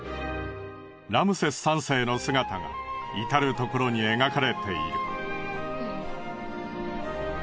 ラムセス３世の姿が至る所に描かれている。